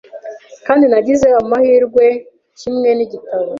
kandi nagize amahirweKimwe nigitabo